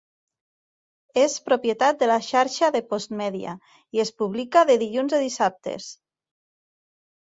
És propietat de la Xarxa de Postmedia i es publica de dilluns a dissabtes.